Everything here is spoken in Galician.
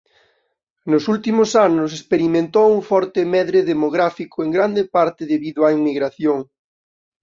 Nos últimos anos experimentou un forte medre demográfico en gran parte debido á inmigración.